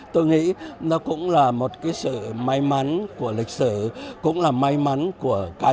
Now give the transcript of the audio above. tôi nghĩ nó cũng là một cái sự may mắn của lịch sử cũng là may mắn của các anh